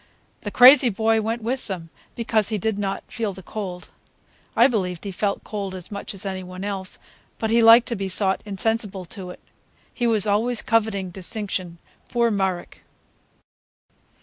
The crazy boy went with them, because he did not feel the cold. I believed he felt cold as much as any one else, but he liked to be thought insensible to it. He was always coveting distinction, poor Marek!